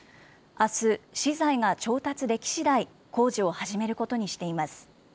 あす、資材が調達できしだい、工事を始めることにしています。